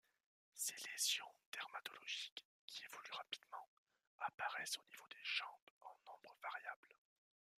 Ces lésions dermatologiques, qui évoluent rapidement, apparaissent au niveau des jambes en nombre variable.